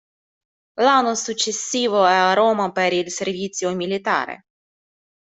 L'anno successivo è a Roma per il servizio militare.